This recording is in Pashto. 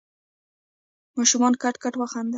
ماشومانو کټ کټ وخندل.